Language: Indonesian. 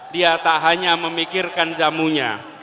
dia tak hanya memikirkan jamunya